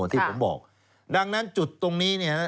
ที่ผมบอกดังนั้นจุดตรงนี้เนี่ย